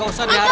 aku mau mandir